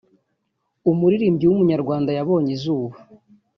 umuririmbyi w’umunyarwanda yabonye izuba